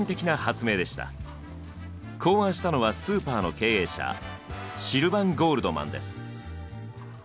考案したのはスーパーの経営者シルバン・ゴールドマンです。